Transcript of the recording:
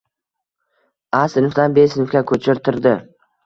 “A” sinfdan “B” sinfga ko‘chirtirdi!